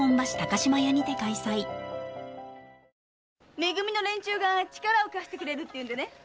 め組の連中が力を貸してくれるっていうんでね。